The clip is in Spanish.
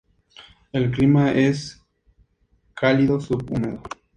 El clima es cálido sub-húmedo.